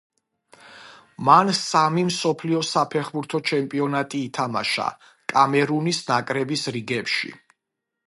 მან სამი მსოფლიო საფეხბურთო ჩემპიონატი ითამაშა კამერუნის ნაკრების რიგებში.